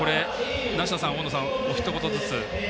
梨田さん、大野さんおひと言ずつ。